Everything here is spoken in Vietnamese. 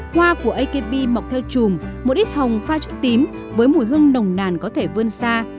hoa của akb mọc theo chùm một ít hồng pha chữ tím với mùi hương nồng nàn có thể vươn xa